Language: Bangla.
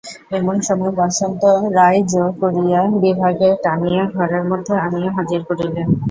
এমন সময়ে বসন্ত রায় জোর করিয়া বিভাকে টানিয়া ঘরের মধ্যে আনিয়া হাজির করিলেন।